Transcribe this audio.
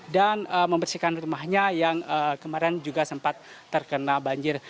dan membersihkan rumahnya yang kemarin juga sempat terkena banjir